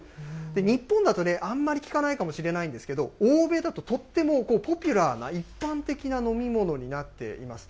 日本だとね、あんまり聞かないかもしれないんですけど、欧米だととってもポピュラーな、一般的な飲み物になっています。